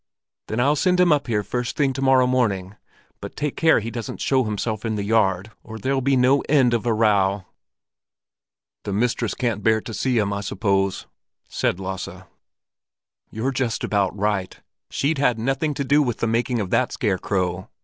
Then I'll send him up here first thing to morrow morning; but take care he doesn't show himself in the yard, or there'll be no end of a row!" "The mistress can't bear to see him, I suppose?" said Lasse. "You're just about right. She's had nothing to do with the making of that scarecrow.